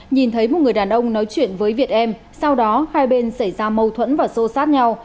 nhìn thấy một người đàn ông nói chuyện với việt em sau đó hai bên xảy ra mâu thuẫn và xô sát nhau